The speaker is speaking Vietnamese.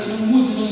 ông ấy mua cho tôi